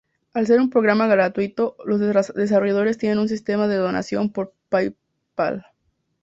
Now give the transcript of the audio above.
Al ser un programa gratuito, los desarrolladores tienen un sistema de donación por PayPal..